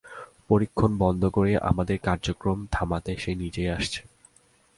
পরীক্ষণ বন্ধ করে, আমাদের কার্যক্রম থামাতে সে নিজেই আসছে।